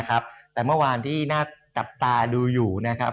แต่เมื่อวานที่น่าจับตาดูอยู่นะครับ